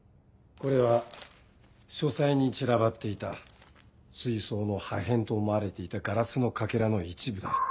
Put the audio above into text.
これは書斎に散らばっていた水槽の破片と思われていたガラスのかけらの一部だ。